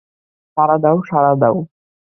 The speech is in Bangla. সাড়া দাও, সাড়া দাও।